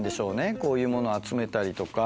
こういうもの集めたりとか。